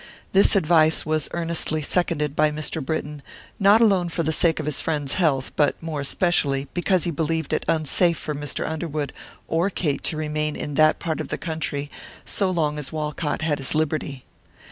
This advice was earnestly seconded by Mr. Britton, not alone for the sake of his friend's health, but more especially because he believed it unsafe for Mr. Underwood or Kate to remain in that part of the country so long as Walcott had his liberty.